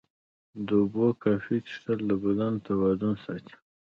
د اوبو کافي څښل د بدن توازن ساتي.